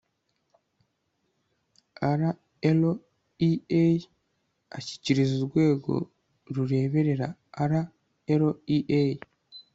RLEA ashyikiriza Urwego rureberera RLEA